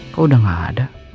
kau udah gak ada